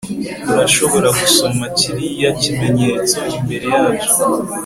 urashobora gusoma kiriya kimenyetso imbere yacu